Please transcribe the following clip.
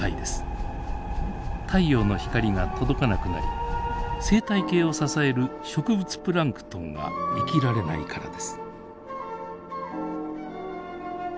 太陽の光が届かなくなり生態系を支える植物プランクトンが生きられないからです。